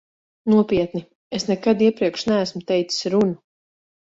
Nopietni, es nekad iepriekš neesmu teicis runu.